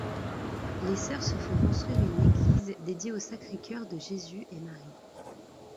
Les sœurs se font construire une église dédiée au sacré-cœur de Jésus et Marie.